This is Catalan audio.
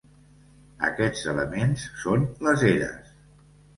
Aquests elements són les eres.